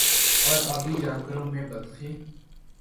اور آبی جانوروں میں بطخیں